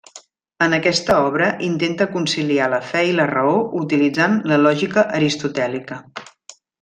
En aquesta obra intenta conciliar la fe i la raó utilitzant la lògica aristotèlica.